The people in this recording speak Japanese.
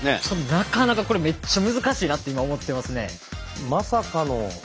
なかなかめっちゃ難しいなって今思ってますね。